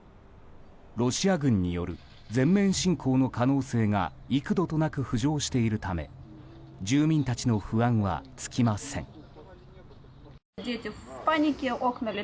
ロシア軍による全面侵攻の可能性が幾度となく浮上しているため住民たちの不安は尽きません。